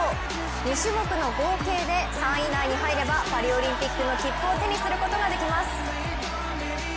２種目の合計で３位以内に入ればパリオリンピックの切符を手にすることができます。